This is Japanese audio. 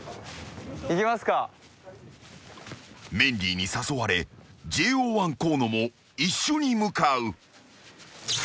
［メンディーに誘われＪＯ１河野も一緒に向かう］